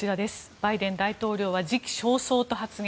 バイデン大統領は時期尚早と発言。